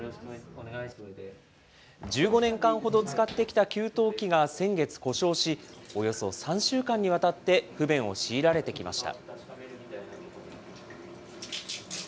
１５年間ほど使ってきた給湯器が先月故障し、およそ３週間にわたって不便を強いられてきました。